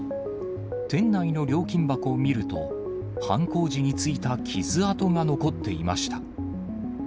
店内の料金箱を見ると、犯行時についた傷跡が残っていました。